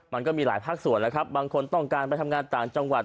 มันก็มีหลายภาคส่วนแล้วครับบางคนต้องการไปทำงานต่างจังหวัด